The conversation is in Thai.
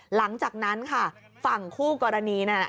หลังจากนั้นค่ะฝั่งคู่กรณีนั่นน่ะ